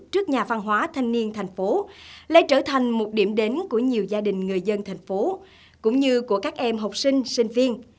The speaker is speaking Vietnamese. trước nhà văn hóa thanh niên thành phố lê trở thành một điểm đến của nhiều gia đình người dân thành phố cũng như của các em học sinh sinh viên